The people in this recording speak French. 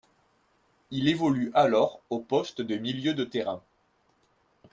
Il évolue alors au poste de milieu de terrain.